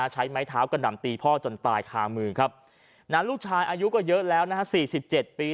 ใช้ไม้เท้ากระหน่ำตีพ่อจนตายคามือครับนั้นลูกชายอายุก็เยอะแล้วนะฮะ๔๗ปี